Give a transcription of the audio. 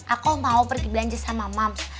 aku mau pergi belanja sama mump